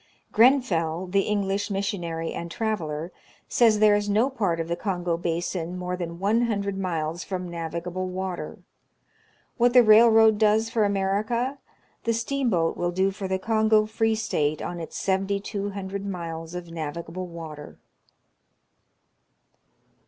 Grenfel, the English missionary and traveler, says there is no part of the Kongo basin more than one hundred miles from navigable water. What the railroad does for America, the steamboat will do for the Kongo Free State on its seventy two hundred miles of navigable water.